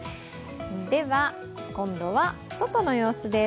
今度は外の様子です。